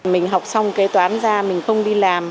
mình học xong kế toán ra mình không đi làm